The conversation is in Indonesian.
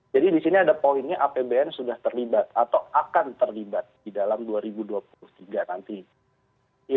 jadi di sini ada poinnya apbn sudah terlibat atau akan terlibat di dalam dua ribu dua puluh tiga nanti